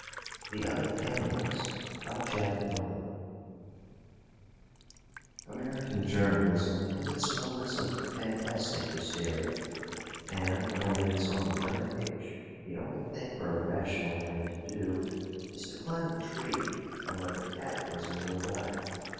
THE OTHER ANIMALS American journalism has its moments of fantastic hysteria, and when it is on the rampage the only thing for a rational man to do is to climb a tree and let the cataclysm go by.